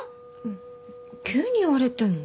ん急に言われても。